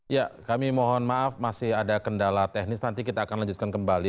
ya kami mohon maaf masih ada kendala teknis nanti kita akan lanjutkan kembali